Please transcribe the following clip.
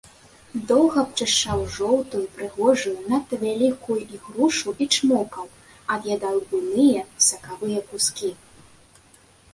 Доўга абчышчаў жоўтую, прыгожую, надта вялікую ігрушу і чмокаў, ад'ядаў буйныя, сакавыя кускі.